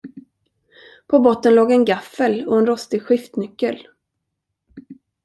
På botten låg en gaffel och en rostig skiftnyckel.